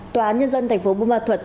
tòa nhân dân thành phố bú ma thuật